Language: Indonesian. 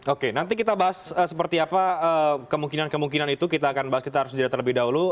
oke nanti kita bahas seperti apa kemungkinan kemungkinan itu kita akan bahas kita harus jeda terlebih dahulu